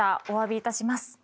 おわびいたします。